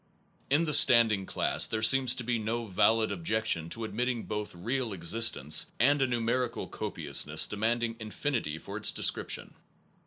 In the standing class there seems to be no valid objection to admitting both real exist The stand ence, and a numerical copiousness de finite manding infinity for its description.